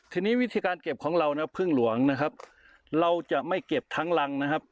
ทีนี้วิธีการเก็บของเรานะพึ่งหลวงนะครับเราจะไม่เก็บทั้งรังนะครับ